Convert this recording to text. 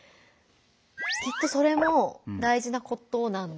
きっとそれも大事なことなんですけど